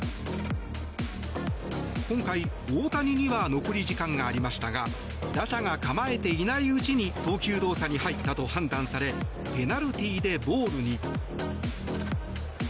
今回、大谷には残り時間がありましたが打者が構えていないうちに投球動作に入ったと判断されペナルティーでボールに。